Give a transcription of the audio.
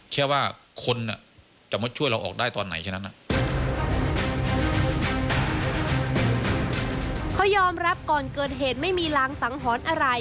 เขายอมรับก่อนเกิดเหตุไม่มีรางสังหรณ์อะไร